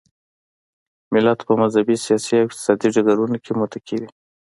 ملت په مذهبي، سیاسي او اقتصادي ډګرونو کې متکي وي.